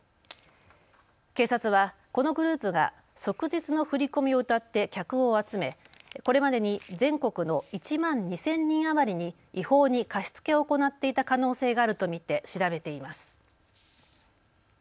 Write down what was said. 警察はこのグループが即日の振込をうたって客を集めこれまでに全国の１万２０００人余りに違法に貸し付けを行っていた可能性があると見て調べています。